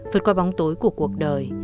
vượt qua bóng tối của cuộc đời